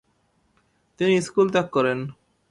তিনি স্কুল ত্যাগ করেন।